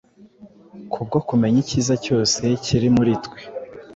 kubwo kumenya ikiza cyose kiri muri twe,